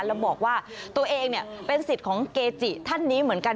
แล้วบอกว่าตัวเองเป็นสิทธิ์ของเกจิท่านนี้เหมือนกัน